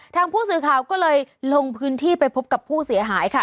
ทางผู้สื่อข่าวก็เลยลงพื้นที่ไปพบกับผู้เสียหายค่ะ